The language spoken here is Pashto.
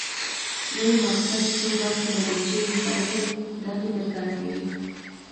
لوی مغزه څو برخې لري چې مختلفې دندې ترسره کوي